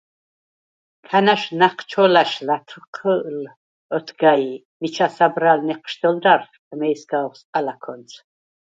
ქანა̈შ ნა̈ჴჩოლა̈შ ლათჴჷლ ოთგა ი მიჩა საბრალ ნეჴშდჷლდა̈რშვ ამეჲსგ’ ოხსყა ლაქონც.